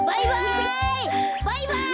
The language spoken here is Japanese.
バイバイ！